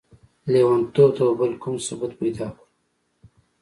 ليونتوب ته به بل کوم ثبوت پيدا کړو؟!